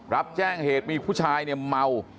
รับแจ้งเหตุมีผู้ชายเนี่ยเมา